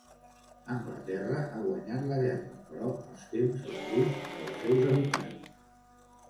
Anglaterra ha guanyat la guerra però els temps són durs pels seus habitants.